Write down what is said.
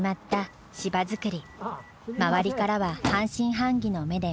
周りからは半信半疑の目で見られた。